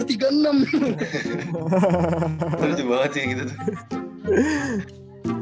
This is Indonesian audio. lucu banget sih gitu tuh